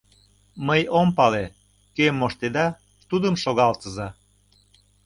Мый ом пале, кӧм моштеда — тудым шогалтыза.